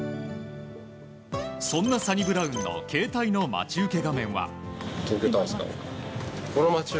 そんなサニブラウンの携帯の待ち受け画面は。